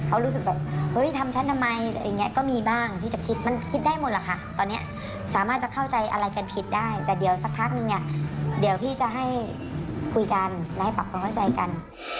คุยกันและให้ปรับความเข้าใจกัน